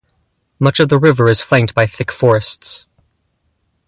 Much of the river is flanked by thick forests.